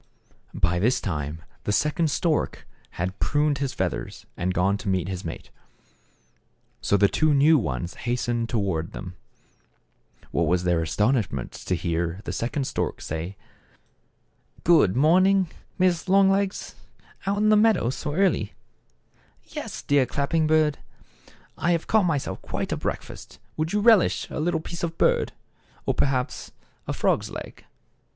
By this time the second stork had pruned his feathers, and gone to meet his mate. So the two new ones hastened toward them. What was their astonishment to hear the second stork say: —" Good morning, Mrs. Longlegs ; out on the meadow so early ?"" Yes, dear Clapping beak, I have caught my self quite a breakfast. Would you relish a little piece of bird, or, perhaps, a frog's leg